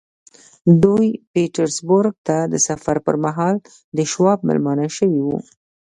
دوی پيټرزبورګ ته د سفر پر مهال د شواب مېلمانه شوي وو.